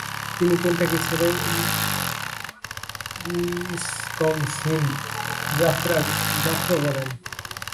তিনি কেন্টাকি ছেড়ে উইসকনসিন যাত্র করেন।